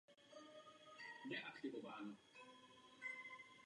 Se svým starším bratrem Janem prováděl misijní činnost na Těšínsku.